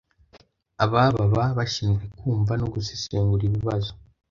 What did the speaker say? Aba baba bashinzwe kumva no gusesengura ibibazo